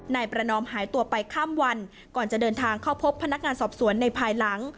นายประนอมหายตัวไปข้ามวันก่อนจะเดินทางเข้าพบพนักงานสอบสวนในภายหลัง